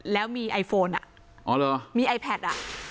แล้วมีไอโฟนมีไอแพ็ด